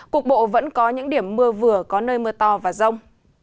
cục bộ vẫn có những điểm mưa vừa có nơi mưa to và rông